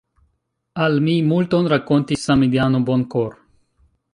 Al mi multon rakontis samideano Bonkor.